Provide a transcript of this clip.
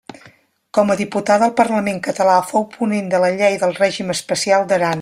Com a diputada al Parlament català fou ponent de la llei del règim especial d'Aran.